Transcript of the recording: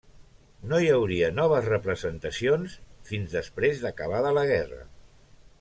No hi hauria noves representacions fins després d'acabada la guerra.